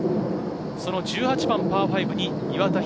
その１８番、パー５に岩田寛。